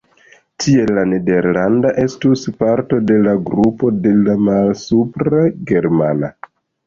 Tiel la nederlanda estus parto de la grupo de la malsupra germana.